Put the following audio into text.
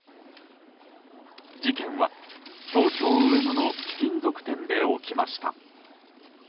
事件は、東京・上野の貴金属店で起きました。